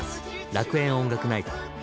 楽園音楽ナイト！。